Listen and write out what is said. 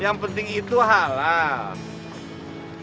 yang penting itu halal